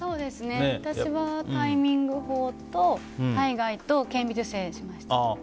私はタイミング法と体外と顕微授精しました。